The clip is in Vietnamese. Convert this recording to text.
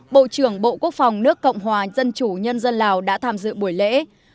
bộ trưởng bộ quốc phòng nước cộng hòa dân chủ nhân dân lào đã tham dự buổi lễ